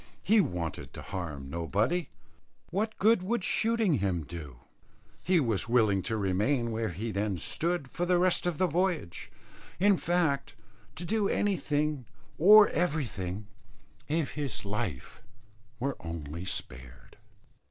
He wanted to harm nobody. What good could shooting him do? He was willing to remain where he then stood for the rest of the voyage, in fact to do anything or everything, if his life were only spared.